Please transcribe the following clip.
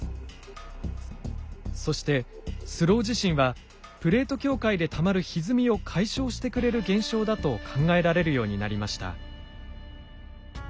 そしてスロー地震はプレート境界でたまるひずみを解消してくれる現象だと考えられるようになりました。